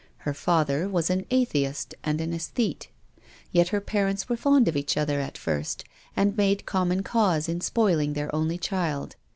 Her father was»an atheist and an aesthete. Yet her parents were fond of each other at first and made com mon cause in spoiling their only child.